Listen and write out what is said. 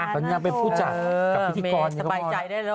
ตอนนี้เป็นผู้จัดกับพิธีกร